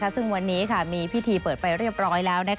ซึ่งวันนี้มีพิธีเปิดไปเรียบร้อยแล้ว